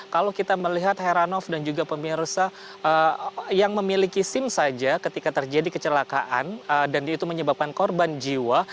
kalau kita melihat heranov dan juga pemirsa yang memiliki sim saja ketika terjadi kecelakaan dan itu menyebabkan korban jiwa